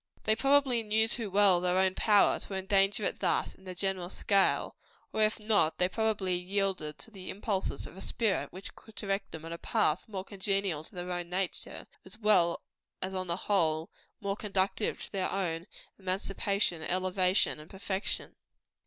They probably knew too well their power, to endanger it thus in the general scale; or if not, they probably yielded to the impulses of a spirit which could direct them in a path more congenial to their own nature, as well as on the whole more conducive to their own emancipation, elevation and perfection.